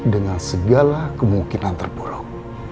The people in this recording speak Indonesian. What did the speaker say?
dengan segala kemungkinan terburuk